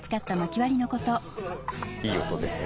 いい音ですね。